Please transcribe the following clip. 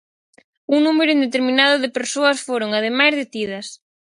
Un número indeterminado de persoas foron, ademais, detidas.